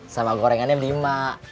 sama gorengannya lima